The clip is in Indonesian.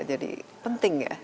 jadi penting ya